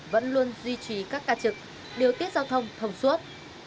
vẫn luôn duy trì các ca trực điều tiết giao thông thông suốt